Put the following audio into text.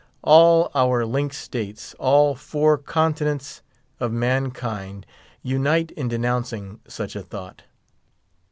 All our linked states, all four continents of mankind, unite in denouncing such a thought.